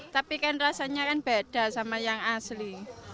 tapi kan rasanya kan beda sama yang asli